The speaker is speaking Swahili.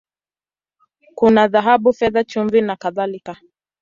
Kuna dhahabu, fedha, chumvi, na kadhalika.